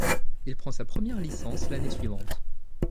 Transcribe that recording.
Il prend sa première licence l'année suivante.